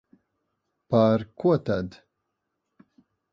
Par ko tad?